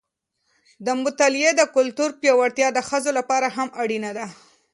د مطالعې د کلتور پیاوړتیا د ښځو لپاره هم اړینه ده.